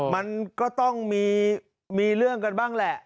มันก็ต้องมีเรื่องกันบ้างแหละ